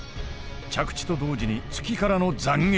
着地と同時に「突き」からの斬撃。